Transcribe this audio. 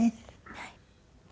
はい。